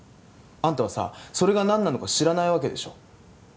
あんたはさそれが何なのか知らないわけでしょ？